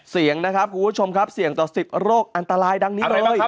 เสี่ยงนะครับคุณผู้ชมครับเสี่ยงต่อ๑๐โรคอันตรายดังนี้เลย